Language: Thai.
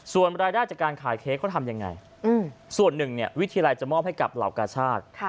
ส่วนรายได้จากการขายเค้กเขาทำยังไงส่วนหนึ่งวิทยาลัยจะมอบให้กับเหล่ากาชาติ